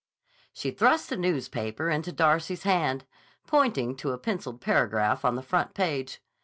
She thrust the newspaper into Darcy's hand, pointing to a penciled paragraph on the front page.